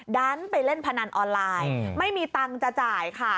ดันไปเล่นพนันออนไลน์ไม่มีตังค์จะจ่ายค่ะ